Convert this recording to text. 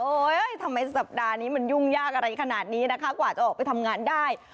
ทำไมสัปดาห์นี้มันยุ่งยากอะไรขนาดนี้นะคะกว่าจะออกไปทำงานได้